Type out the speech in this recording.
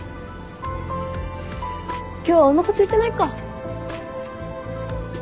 今日はおなかすいてないか。